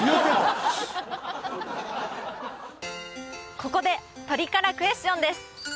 ここで鳥からクエスチョンです